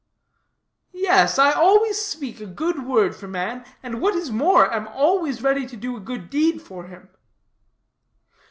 "Yes, I always speak a good word for man; and what is more, am always ready to do a good deed for him."